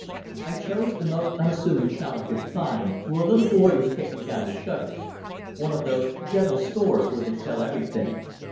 I chose the most unassuming shop I could find, where a little boy was taking down the shutters—one of those general stores where they sell everything.